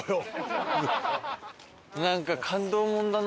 なんか感動もんだな。